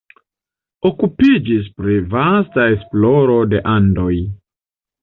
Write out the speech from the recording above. Okupiĝis pri vasta esploro de Andoj.